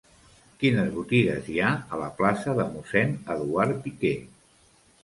Quines botigues hi ha a la plaça de Mossèn Eduard Piquer?